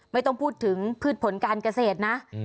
ไม่ต้องพูดถึงพืชผลการเกษตรนะ